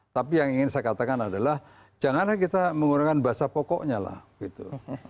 tapi yang ingin saya katakan adalah janganlah kita menggunakan bahasa pokoknya lah gitu